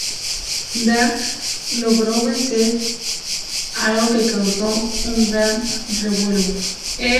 Dake logró vencer a Alekhine, algo que causó un gran revuelo.